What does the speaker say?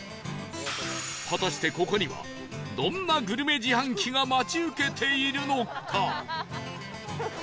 果たしてここにはどんなグルメ自販機が待ち受けているのか？